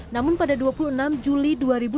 namun pada dua puluh enam juli dua ribu dua puluh